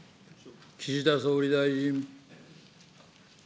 岸田総理大臣。